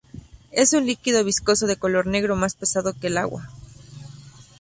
Es un líquido viscoso de color negro, más pesado que el agua.